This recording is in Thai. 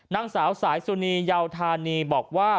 นางสาวสายสุนีเยาธานีบอกว่า